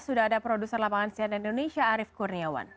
sudah ada produser lapangan sihat di indonesia arief kurniawan